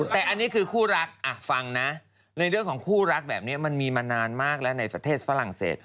แต่อันนี้คือคู่รักฟังนะในเรื่องของคู่รักแบบนี้มันมีมานานมากแล้วในประเทศฝรั่งเศส